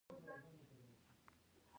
هغوی یوځای د ښایسته شعله له لارې سفر پیل کړ.